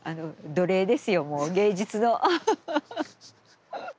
奴隷ですよもう芸術の。